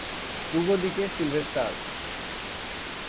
পূর্ব দিকে সিলভেস্টার।